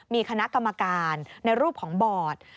มีคณะกรรมการในรูปของบอร์ด